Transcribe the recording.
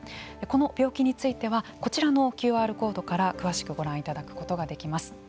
この病気についてはこちらのＱＲコードから詳しくご覧いただくことができます。